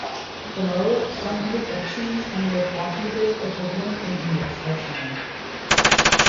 Below, some interjections and their approximative equivalent in English are shown.